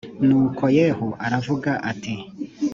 nuko yehu aravuga ati